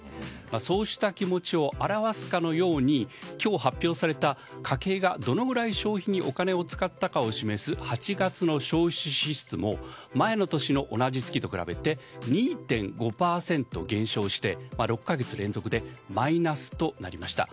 そうした気持ちを表すかのように今日発表された家計がどのぐらい消費にお金を使ったかを示す８月の消費支出も前の年の同じ月と比べ２．５％減少して、６か月連続でマイナスとなりました。